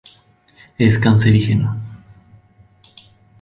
Es cancerígeno.